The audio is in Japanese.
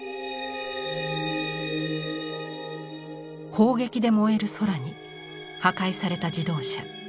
砲撃で燃える空に破壊された自動車。